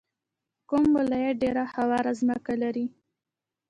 کوم ولایت ډیره هواره ځمکه لري؟